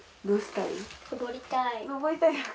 登りたい。